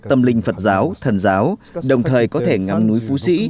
tâm linh phật giáo thần giáo đồng thời có thể ngắm núi phú sĩ